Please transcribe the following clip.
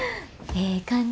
ええ感じ。